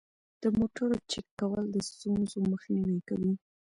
د موټرو چک کول د ستونزو مخنیوی کوي.